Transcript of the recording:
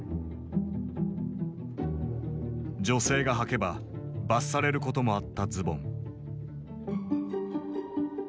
女性がはけば罰されることもあったズボン。